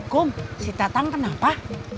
kum si tatang kenapa